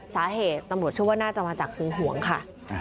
สาเหตุตำรวจเชื่อว่าน่าจะมาจากหึงหวงค่ะ